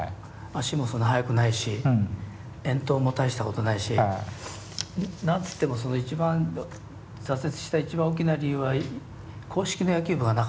足もそんな速くないし遠投も大したことないし何つっても挫折した一番大きな理由は硬式の野球部がなかったっていうのが。